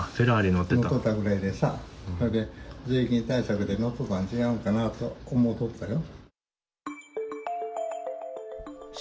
乗ってたぐらいやしさ、それで税金対策でのっとったん違うかなとおもっとったよ。